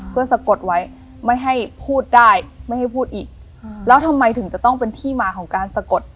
เพื่อสะกดไว้ไม่ให้พูดได้ไม่ให้พูดอีกแล้วทำไมถึงจะต้องเป็นที่มาของการสะกด